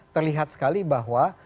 terlihat sekali bahwa